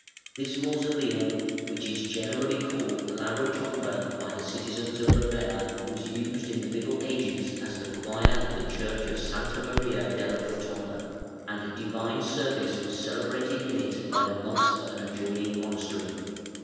] This mausoleum, which is generally called La Rotonda by the citizens of Ravenna, was used in the Middle Ages as the choir of the Church of S. Maria della Rotonda, and divine service was celebrated in it by the monks of an adjoining monastery.